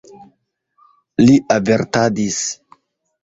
Li avertadis.